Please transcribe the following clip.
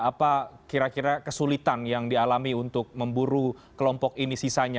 apa kira kira kesulitan yang dialami untuk memburu kelompok ini sisanya